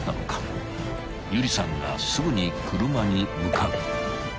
［有理さんがすぐに車に向かう］